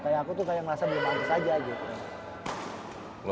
kayak aku tuh kayak merasa belum pantes aja gitu